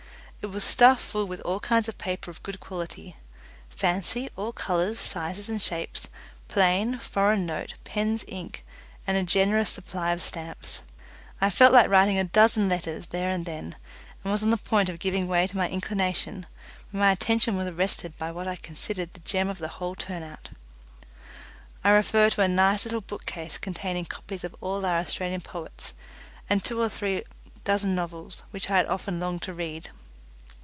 It was stuffed full with all kinds of paper of good quality fancy, all colours, sizes, and shapes, plain, foreign note, pens, ink, and a generous supply of stamps. I felt like writing a dozen letters there and then, and was on the point of giving way to my inclination, when my attention was arrested by what I considered the gem of the whole turn out. I refer to a nice little bookcase containing copies of all our Australian poets, and two or three dozen novels which I had often longed to read.